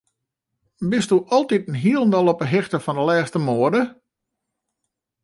Bisto altiten hielendal op 'e hichte fan de lêste moade?